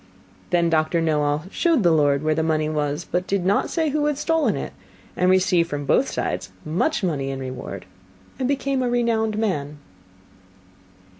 Then Doctor Knowall showed the lord where the money was, but did not say who had stolen it, and received from both sides much money in reward, and became a renowned man.